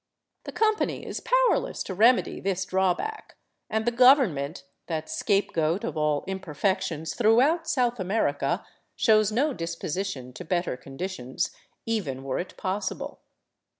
The company is powerless to remedy this drawback, and the government — that scapegoat of all imperfections throughout South America — shows no disposition to better conditions, even were it possible.